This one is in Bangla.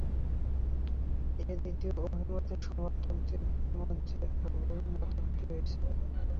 এ দ্বিতীয় অভিমতের সমর্থকদের মধ্যে আবার মতভেদ রয়েছে।